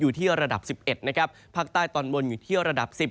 อยู่ที่ระดับ๑๑นะครับภาคใต้ตอนบนอยู่ที่ระดับ๑๐